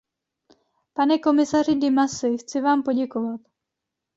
Pane komisaři Dimasi, chci vám poděkovat.